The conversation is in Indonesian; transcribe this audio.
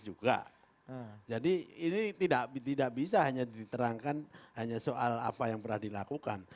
jadi ini tidak bisa hanya diterangkan hanya soal apa yang pernah dilakukan